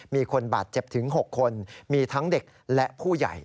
มีคนบาดเจ็บถึง๖คนมีทั้งเด็กและผู้ใหญ่